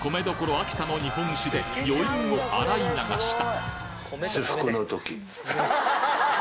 秋田の日本酒で余韻を洗い流した！